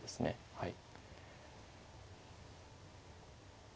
はい。